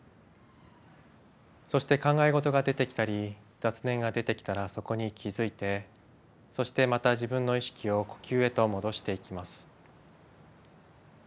そして考え事が出てきたり雑念が出てきたらそこに気づいてそしてまた自分の意識を呼吸へと戻していきます。